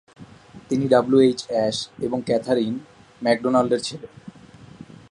তিনি W H Ash এবং Katherine ম্যাকডোনাল্ডের ছেলে।